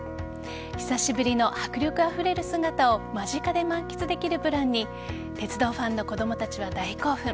久しぶりの迫力あふれる姿を間近で満喫できるプランに鉄道ファンの子供たちは大興奮。